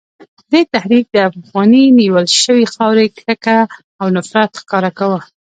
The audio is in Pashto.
دې تحریک د افغاني نیول شوې خاورې کرکه او نفرت ښکاره کاوه.